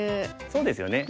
そうですよね。